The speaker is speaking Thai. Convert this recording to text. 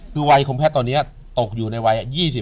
คือวัยของแพทย์ตอนนี้ตกอยู่ในวัย๒๕